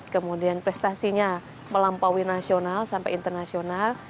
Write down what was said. kemudian prestasinya melampaui nasional sampai internasional